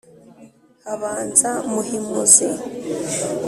Habanza Muhimuzi